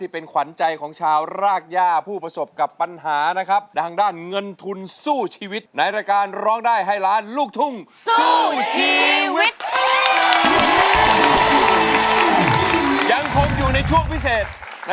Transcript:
พร้อมอยู่ในช่วงพิเศษ